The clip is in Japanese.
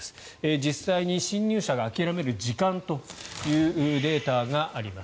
実際に侵入者が諦める時間というデータがあります。